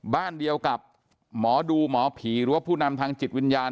บ้านเดียวกับหมอดูหมอผีหรือว่าผู้นำทางจิตวิญญาณ